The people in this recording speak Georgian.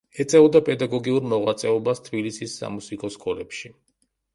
ეწეოდა პედაგოგიურ მოღვაწეობას თბილისის სამუსიკო სკოლებში.